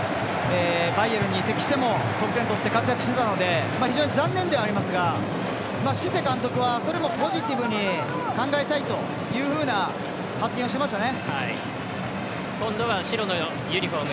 バイエルンに移籍しても得点を取って活躍してたので残念ではありますがシセ監督はそれもポジティブに考えたいというふうな発言をしていましたね。